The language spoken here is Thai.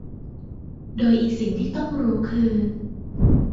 โดยอีกสิ่งที่ต้องรู้คือ